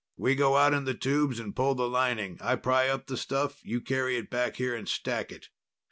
We go out in the tubes and pull the lining. I pry up the stuff, you carry it back here and stack it."